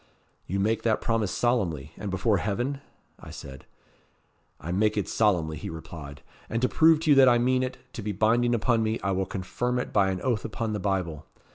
'You make that promise solemnly, and before heaven?' I said. 'I make it solemnly,' he replied. 'And to prove to you that I mean it to be binding upon me, I will confirm it by an oath upon the Bible.'